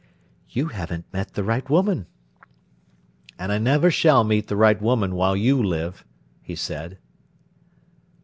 "You haven't met the right woman." "And I never shall meet the right woman while you live," he said.